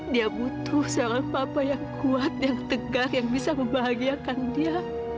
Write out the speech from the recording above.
dia butuh seorang papa yang kuat yang tegar yang bisa membahagiakan dia